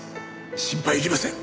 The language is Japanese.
心配いりません。